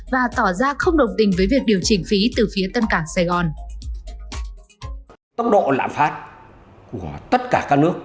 và tỏ ra không đồng tình với việc điều chỉnh phí từ phía tân cảng sài gòn